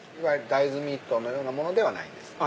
大豆ミートのようなものではない。